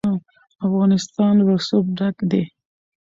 افغانستان له رسوب ډک دی.